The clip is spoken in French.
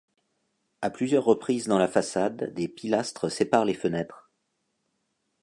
À plusieurs reprises dans la façade, des pilastres séparent les fenêtres.